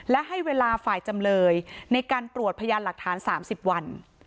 และให้เวลาฝ่ายจำเลยในการตรวจพยานหลักฐาน๓๐วัน